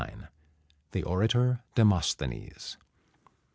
LXXXIX. THE ORATOR DEMOSTHENES.